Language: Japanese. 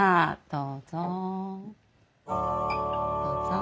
どうぞ。